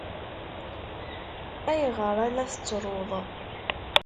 Ayɣer ay la tettruḍ?